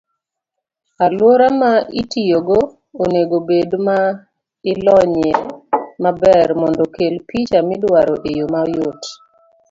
Aluora ma itiyogo onego obed ma ilonyie maber mondo okel picha midwaro eyoo mayot.